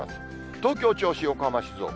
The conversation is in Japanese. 東京、銚子、横浜、静岡。